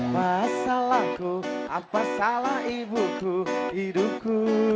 masalahku apa salah ibuku hidupku